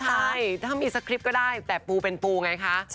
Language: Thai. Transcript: ใช่ถ้ามีสคริปต์ก็ได้แต่ปูเป็นปูไงคะ